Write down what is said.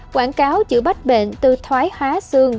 quảng cáo chữa bắt bệnh từ thoái hóa xương